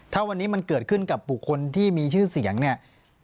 ถ้าวันนี้มันเกิดขึ้นกับบุคคลที่มีชื่อเสียงเนี่ย